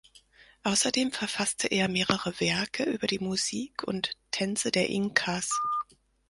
Außerdem verfasste er mehrere Werke über die Musik und Tänze der Inkas.